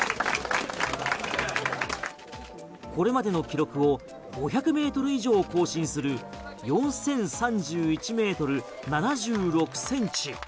これまでの記録を５００ｍ以上を更新する４０３１ｍ７６ｃｍ。